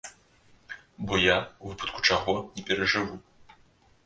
Бо я, у выпадку чаго, не перажыву.